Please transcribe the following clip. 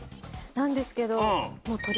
なんですけど。